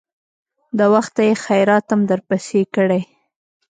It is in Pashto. د وخته يې خيراتم درپسې کړى.